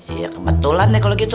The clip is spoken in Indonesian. iya kebetulan ya kalau gitu